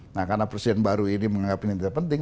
nah karena presiden baru ini menganggap ini tidak penting